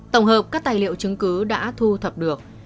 tổng hợp các tài liệu chứng cứ đã thu thập được